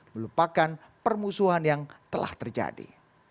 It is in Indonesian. melupakan permusuhan yang telah terjadi